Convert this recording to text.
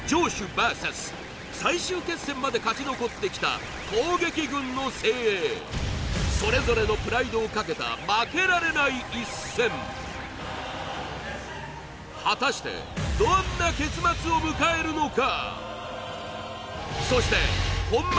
ＶＳ最終決戦まで勝ち残ってきた攻撃軍の精鋭それぞれのプライドを懸けた負けられない一戦果たしてどんな結末を迎えるのか